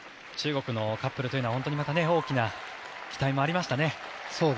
中国のカップルというのは本当にまた大きな期待もありましたね。